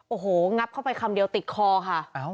โอ้โหงับเข้าไปคำเดียวติดคอค่ะ